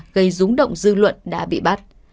gây rúng động dư luận đã bị bắt